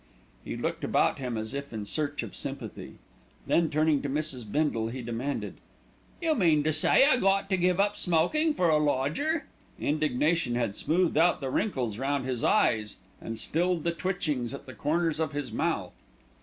He looked about him as if in search of sympathy. Then turning to Mrs. Bindle, he demanded: "You mean to say I got to give up smokin' for a lodger!" Indignation had smoothed out the wrinkles round his eyes and stilled the twitchings at the corners of his mouth.